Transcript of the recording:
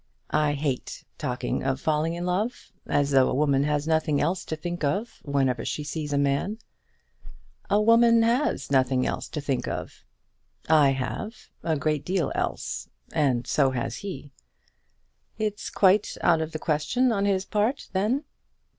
"I hate talking of falling in love; as though a woman has nothing else to think of whenever she sees a man." "A woman has nothing else to think of." "I have, a great deal else. And so has he." "It's quite out of the question on his part, then?"